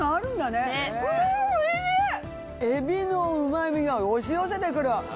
エビのうま味が押し寄せて来る。